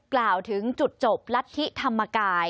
กล่าวถึงจุดจบรัฐธิธรรมกาย